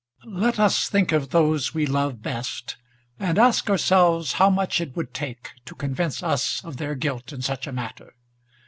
Let us think of those we love best, and ask ourselves how much it would take to convince us of their guilt in such a matter.